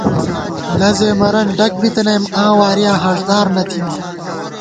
لزے مرَن ڈگ بِتِنِم آں وارِیاں ہاݭدار نہ تھِمہ